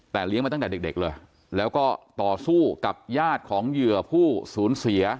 แต่เลี้ยงมาตั้งแต่เด็กเลยแล้วก็ต่อสู้กับญาติของเหยื่อผู้สูญเสีย